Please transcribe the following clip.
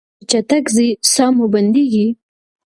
کله چې چټک ځئ ساه مو بندیږي؟